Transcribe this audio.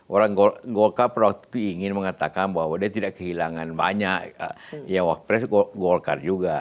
orang golkar pernah ingin mengatakan bahwa dia tidak kehilangan banyak yang wakil presiden golkar juga